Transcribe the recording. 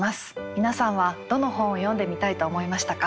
皆さんはどの本を読んでみたいと思いましたか？